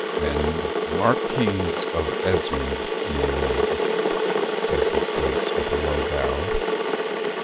"And Marquis of Esmond, my lord," says his Grace, with a low bow.